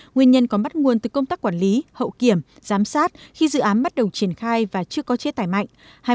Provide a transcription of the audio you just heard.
nguyên nhân có bắt nguồn từ công tác quản lý hậu kiểm giám sát khi dự án bắt đầu triển khai và chưa có chế tài mạnh